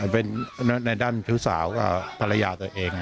เป็นในด้านผิวสาวพลายะตัวเอง